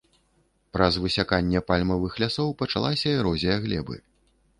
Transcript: Праз высяканне пальмавых лясоў пачалася эрозія глебы.